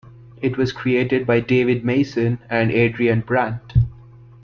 It was created by David Mason and Adrian Brant.